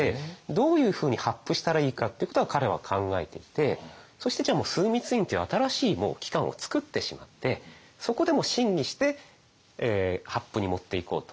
どういうふうに発布したらいいかっていうことを彼は考えていてそしてじゃあもう枢密院っていう新しい機関をつくってしまってそこでも審議して発布に持っていこうと。